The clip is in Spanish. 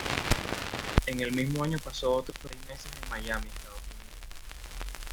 En el mismo año pasó otros seis meses en Miami, Estados Unidos.